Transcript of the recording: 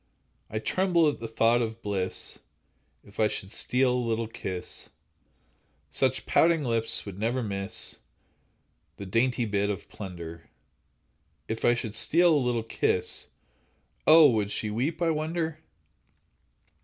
I tremble at the thought of bliss— If I should steal a little kiss: Such pouting lips would never miss The dainty bit of plunder; If I should steal a little kiss, Oh! would she weep, I wonder?